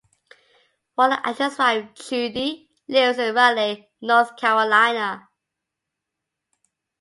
Waller and his wife, Judy, lives in Raleigh, North Carolina.